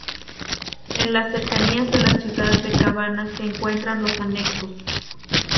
En las cercanías de la ciudad de Cabana se encuentran los anexos.